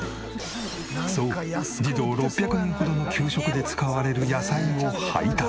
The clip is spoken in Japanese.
そう児童６００人ほどの給食で使われる野菜を配達。